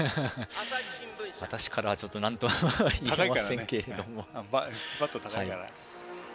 私からはなんとも言えませんけれども。